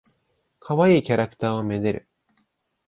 かわいいキャラクターを愛でる。